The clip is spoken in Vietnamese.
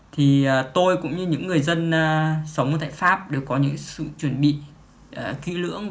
thì tôi cũng như những người dân sống tại pháp đều có những sự chuẩn bị kỹ lưỡng